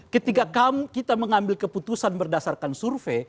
ketika kita mengambil keputusan berdasarkan survei